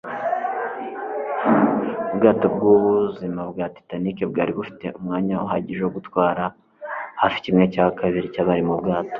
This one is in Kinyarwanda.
Ubwato bwubuzima bwa Titanic bwari bufite umwanya uhagije wo gutwara hafi kimwe cya kabiri cyabari mu bwato